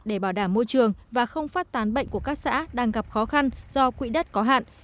để bảo đảm môi trường và không phát tán bệnh của các xã đang gặp khó khăn do quỹ đất có hạn